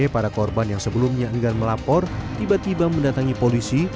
para korban yang sebelumnya enggan melapor tiba tiba mendatangi polisi